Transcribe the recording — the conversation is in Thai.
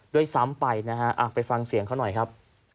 ด้วยซ้ำไปนะฮะไปฟังเสียงเขาหน่อยครับ